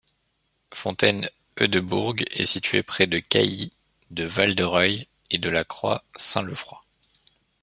Fontaine-Heudebourg est situé près de Cailly, de Val-de-Reuil et de la La Croix-Saint-Leufroy.